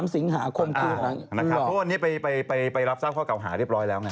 สิงหาคมคือนะครับเพราะวันนี้ไปรับทราบข้อเก่าหาเรียบร้อยแล้วไง